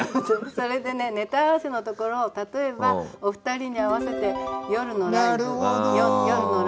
それで「ネタ合わせ」のところを例えばお二人に合わせて「夜のライブ終わるやトイレに」。